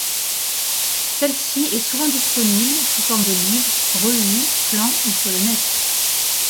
Celle-ci est souvent disponible, sous forme de livres, revues, plans ou sur le net.